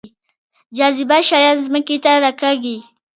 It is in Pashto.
جاذبه شیان ځمکې ته راکاږي